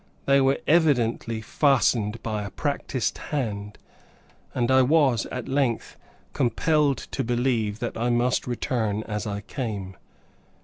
They were evidently fastened by a practised hand; and I was, at length, compelled to believe that I must return as I came.